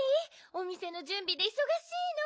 おみせのじゅんびでいそがしいの。